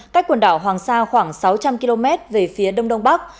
cách quần đảo hoàng sa khoảng sáu trăm linh km về phía đông đông bắc